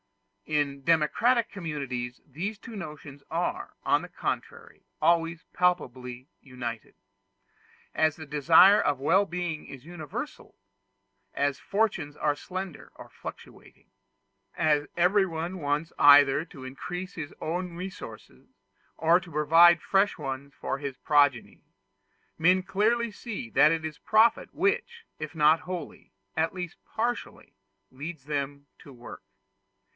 In democratic communities these two notions are, on the contrary, always palpably united. As the desire of well being is universal as fortunes are slender or fluctuating as everyone wants either to increase his own resources, or to provide fresh ones for his progeny, men clearly see that it is profit which, if not wholly, at least partially, leads them to work.